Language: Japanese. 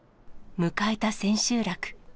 迎えた千秋楽。